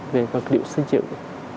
về vật liệu xây dựng